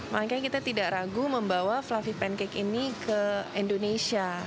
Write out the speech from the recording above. makanya kita tidak ragu membawa fluffy pancake ini ke indonesia